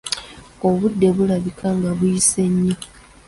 Obudde bulabika nga buyise nnyo!